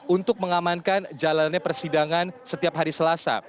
untuk mengamankan jalannya persidangan setiap hari selasa